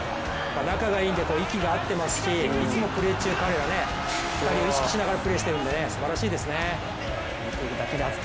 仲がいいんで、息が合っていますし、いつもプレー中彼ら、お互いを意識しながらプレーしてるんですばらしいですよね。